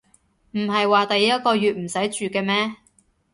唔係話第一個月唔使住嘅咩